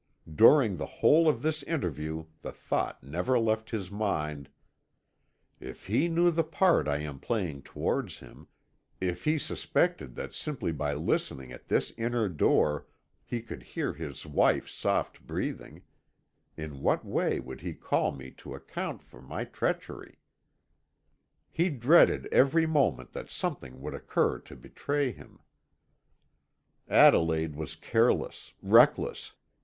During the whole of this interview the thought never left his mind: "If he knew the part I am playing towards him if he suspected that simply by listening at this inner door he could hear his wife's soft breathing in what way would he call me to account for my treachery?" He dreaded every moment that something would occur to betray him. Adelaide was careless, reckless.